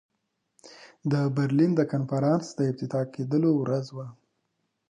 د برلین د کنفرانس د افتتاح کېدلو ورځ وه.